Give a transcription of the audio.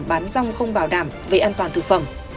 bán rong không bảo đảm về an toàn thực phẩm